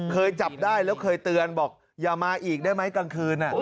เคยจับได้แล้วเคยเตือนบอกอย่ามาอีกได้ไหมกลางคืน